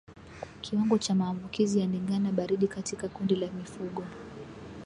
Kiwango cha maambukizi ya ndigana baridi katika kundi la mifugo